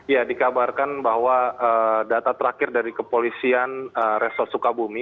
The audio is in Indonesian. ya dikabarkan bahwa data terakhir dari kepolisian resor sukabumi